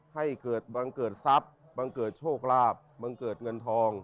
ให้เกิดบังเกิดทรัพย์บังเกิดโชคลาภบังเกิดเงินทอง